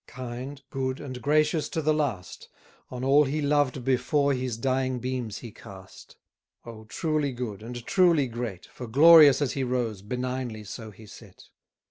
Kind, good, and gracious to the last, On all he loved before his dying beams he cast: Oh, truly good, and truly great, For glorious as he rose, benignly so he set!